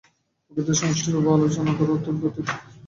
প্রকৃতিকে সমষ্টিভাবে আলোচনা কর অর্থাৎ গতির তত্ত্ব আলোচনা কর।